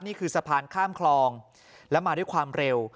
นี่คือสะพานข้ามคลองแล้วมาด้วยความเร็ว